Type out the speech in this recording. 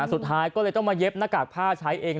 สุดท้ายก็เลยต้องมาเย็บหน้ากากผ้าใช้เอง